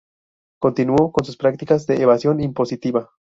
Continuó con sus prácticas de evasión impositiva.